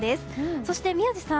そして宮司さん